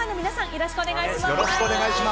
よろしくお願いします。